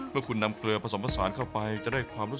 ซุปไก่เมื่อผ่านการต้มก็จะเข้มข้นขึ้น